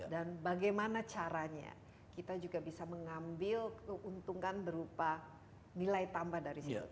dan bagaimana caranya kita juga bisa mengambil keuntungan berupa nilai tambah dari situ